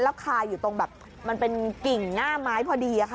แล้วคาอยู่ตรงแบบมันเป็นกิ่งหน้าไม้พอดีค่ะ